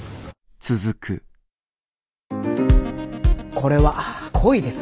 これは恋です。